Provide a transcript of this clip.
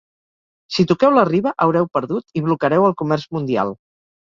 Si toqueu la riba, haureu perdut i blocareu el comerç mundial.